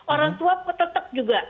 orang tua tetap juga